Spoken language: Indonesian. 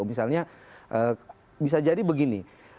misalnya bisa jadi begini